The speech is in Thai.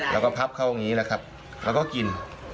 แล้วก็พับเข้าอย่างนี้แหละครับแล้วก็กิน